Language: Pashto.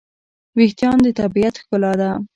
وېښتيان د طبیعت ښکلا ده.